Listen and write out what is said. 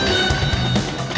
lo sudah bisa berhenti